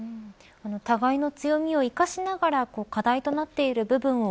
互いの強みを生かしながら課題となっている部分を